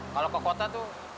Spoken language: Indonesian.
kalau ke kota tuh